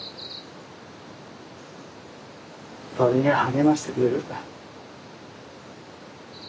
鳥が励ましてくれる。